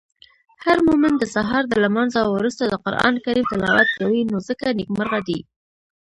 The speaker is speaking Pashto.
هرمومن د سهار د لمانځه وروسته د قرانکریم تلاوت کوی نو ځکه نیکمرغه دی.